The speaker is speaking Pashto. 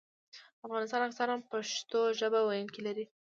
افغانستان اکثراً پښتو ژبه ویونکي لري.